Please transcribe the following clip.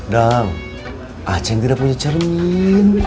dang ah ceng tidak punya cermin